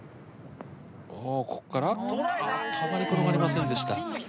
おおこっからああっとあまり転がりませんでした。